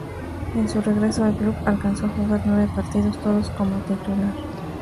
En su regreso al club, alcanzó a jugar nueve partidos, todos como titular.